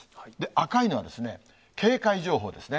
赤いのは、警戒情報ですね。